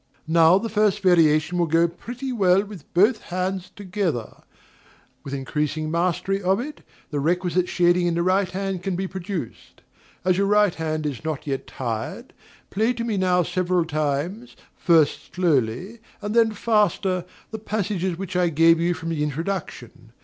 Now the first variation will go pretty well with both hands together; with increasing mastery of it, the requisite shading in the right hand can be produced. As your right hand is not yet tired, play to me now several times, first slowly and then faster, the passages which I gave you from the introduction.